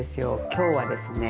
今日はですね